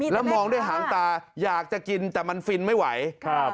แล้วมองด้วยหางตาอยากจะกินแต่มันฟินไม่ไหวครับ